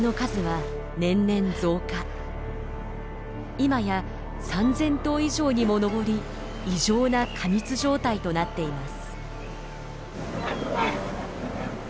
今や３，０００頭以上にも上り異常な過密状態となっています。